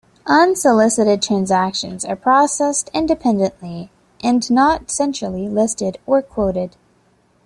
Unsolicited transactions are processed independently and not centrally listed or quoted.